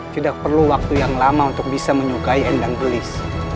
tidak perlu waktu yang lama untuk bisa menyukai endang gelis